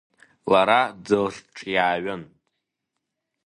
Лара дырҿиаҩын.